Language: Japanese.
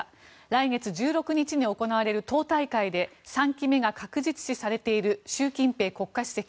来月１６日に行われる党大会で３期目が確実視されている習近平国家主席。